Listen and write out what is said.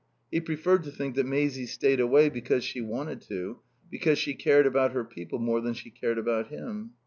He preferred to think that Maisie stayed away because she wanted to, because she cared about her people more than she cared about him.